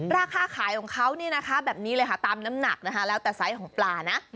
ราคาขายของเขาแบบนี้เลยค่ะตามน้ำหนักแล้วแต่ไซส์ของปลานะ